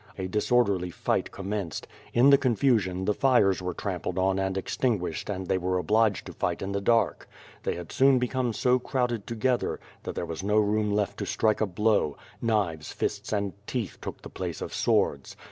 A disorderly fight commenced. In the con fusion, the fires were trampled on and extinguished and they were obliged to fight in the dark. They had soon become so crowded together, that there w^as no room left to strike a blow; knives, fists, and teeth took the place of swords.